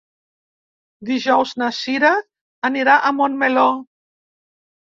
Dijous na Cira anirà a Montmeló.